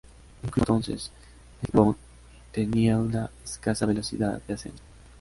Incluso entonces, el Typhoon tenía una escasa velocidad de ascenso.